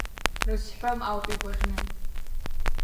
Рызҳәом ауп игәаӷьны…